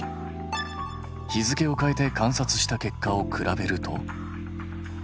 日付を変えて観察した結果を比べると。